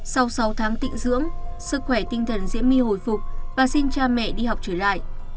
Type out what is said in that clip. sau sáu tháng tịnh dưỡng sức khỏe tinh thần diễm my hồi phục và xin cha mẹ đi học trở lại